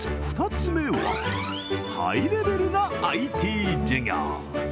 ２つ目は、ハイレベルなＩＴ授業。